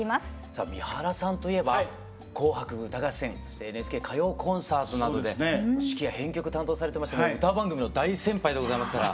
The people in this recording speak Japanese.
さあ三原さんといえば「紅白歌合戦」そして「ＮＨＫ歌謡コンサート」などで指揮や編曲担当されてましてもう歌番組の大先輩でございますから。